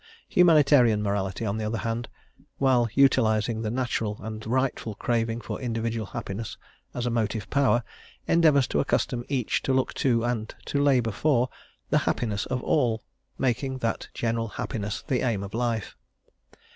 Humanitarian morality, on the other hand, while utilising the natural and rightful craving for individual happiness as a motive power, endeavours to accustom each to look to, and to labour for, the happiness of all, making that general happiness the aim of life.